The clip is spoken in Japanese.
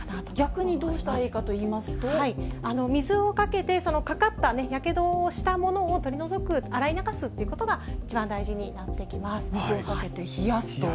逆にどうしたらいいかといい水をかけて、かかった、やけどをしたものを取り除く、洗い流すということが一水をかけて冷やすと。